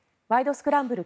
スクランブル」